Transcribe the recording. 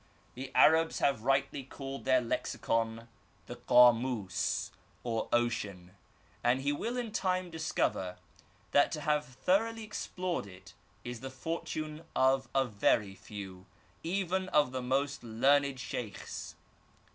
The Arab^ \saN<^ ^^.^Q^^ ^^^iiss^ 10 The Arabic Language, their Lexicon the Kamus, or Ocean, and he will in time dis cover that to have thoroughly explored it is the fortune of a very few, even of the most learned Sheykhs.